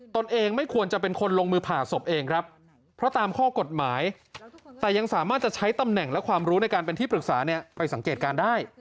แต่ยังสามารถจะใช้ตำแหน่งและความรู้ในการเป็นทิศปรึกษาไปสังเกตการณ์ได้